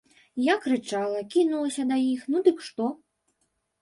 Я крычала, кінулася да іх, ну дык што?